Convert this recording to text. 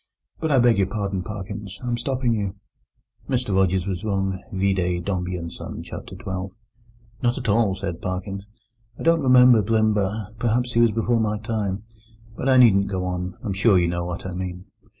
"But I beg your pardon, Parkins: I'm stopping you." Mr Rogers was wrong, vide Dombey and Son, chapter xii. "No, not at all," said Parkins. "I don't remember Blimber; perhaps he was before my time. But I needn't go on. I'm sure you know what I mean."